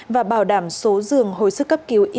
và bảo đảm số dường hồi sức cấp cứu icu